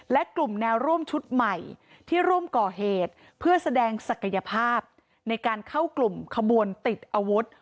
และกลุ่มแนวร่วมชุดใหม่ที่ร่วมก่อเหตุเพื่อแสดงศักยภาพในการเข้ากลุ่มขบวนติดอาวุธ